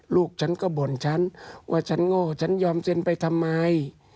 ลูกฉันก็บ่นฉันว่าฉันโง่ฉันยอมเซ็นไปทำไม